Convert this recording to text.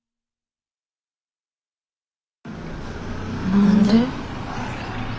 何で？